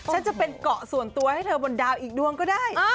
ฉันจะเป็นเกาะส่วนตัวให้เธอบนดาวอีกดวงก็ได้